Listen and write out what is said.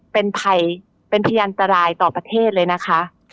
เป็นภัยเป็นพยานตรายต่อประเทศเลยนะคะ